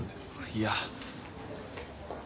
いや。